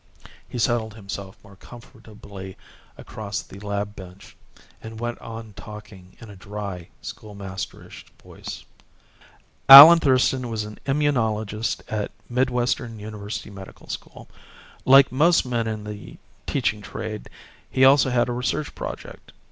He settled himself more comfortably across the lab bench and went on talking in a dry schoolmasterish voice. "Alan Thurston was an immunologist at Midwestern University Medical School. Like most men in the teaching trade, he also had a research project.